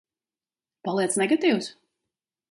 Paliec negatīvs?